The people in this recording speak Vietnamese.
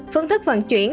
phương thức vận chuyển